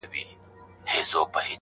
د دفاع له برکته یې